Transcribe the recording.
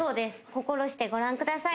心してご覧ください